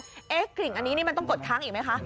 ว่ากริ่งอันนี้ต้องกดทั้งอีกไหมคะ